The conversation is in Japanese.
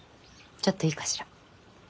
ちょっといいかしら？